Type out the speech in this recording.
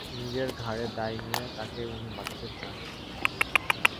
নিজের ঘাড়ে দায় নিয়ে তাকে উনি বাঁচাতে চান।